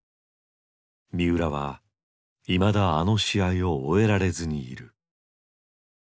三浦はいまだあの試合を終えられずにいる。